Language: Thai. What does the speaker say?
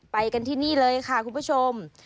ไปกันที่นี่เลยค่ะคุณผู้ชม